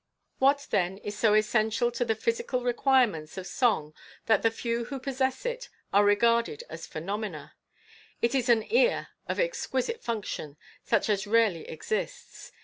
What, then, is so essential to the physical requirements of song that the few who possess it are regarded as phenom ena? It is an ear of exquisite function, such as rarely exists.